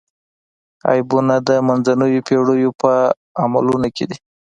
عیبونه د منځنیو پېړیو په عملونو کې دي.